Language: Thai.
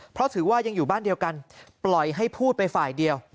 เพราะถือว่ายังอยู่บ้านเดียวกันปล่อยให้พูดไปฝ่ายเดียว